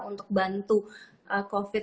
untuk bantu covid